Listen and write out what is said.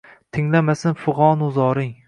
Tinglamasin fig‘onu zoring.